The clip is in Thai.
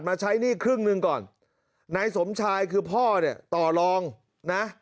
ใช้หนี้ครึ่งหนึ่งก่อนนายสมชายคือพ่อเนี่ยต่อลองนะ